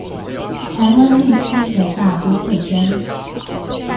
台灣地區的大都會中